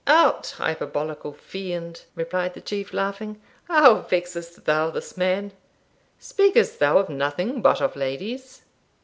'Out, hyperbolical fiend!' replied the Chief, laughing; 'how vexest thou this man! Speak'st thou of nothing but of ladies?'